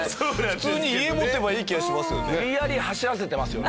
普通に家持てばいい気がしますよね。